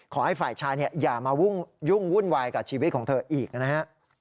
ขอให้ฝ่ายชายอย่ามายุ่งวุ่นวายกับชีวิตของเธออีกนะฮะ